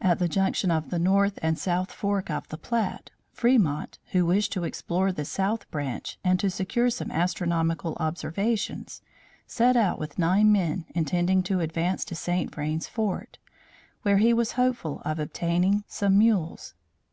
At the junction of the north and south fork of the Platte, Fremont, who wished to explore the south branch and to secure some astronomical observations, set out with nine men intending to advance to St. Vrain's fort, where he was hopeful of obtaining some mules.